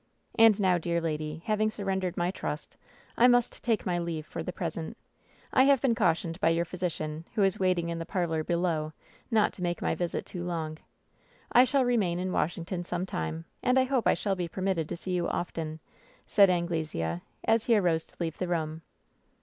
And now, dear lady, having surrendered my trust, I must take my leave for the present. I have been cautioned by your physi cian, who is waiting in the parlor below, not to make my visit too long. I shall remain in Washington some time, and I hope I shall be permitted to see you often," said Anglesea, as he arose to leave the room.